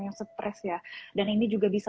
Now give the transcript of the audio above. yang stress ya dan ini juga bisa